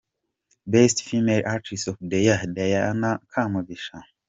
Best Female artist of the year: Diana Kamugisha.